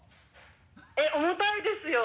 えっ重たいですよ。